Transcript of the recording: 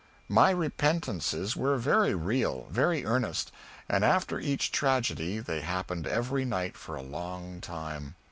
My repentances were very real, very earnest; and after each tragedy they happened every night for a long time.